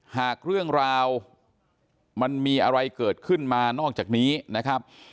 หากเรื่องราวมันมีอะไรเกิดขึ้นมานอกจากนี้นะครับ